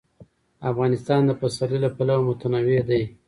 افغانستان د پسرلی له پلوه متنوع دی.